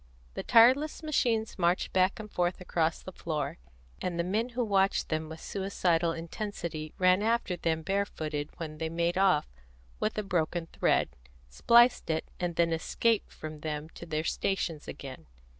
The tireless machines marched back and forth across the floor, and the men who watched them with suicidal intensity ran after them barefooted when they made off with a broken thread, spliced it, and then escaped from them to their stations again.